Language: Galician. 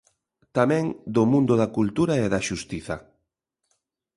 Tamén do mundo da cultura e da xustiza.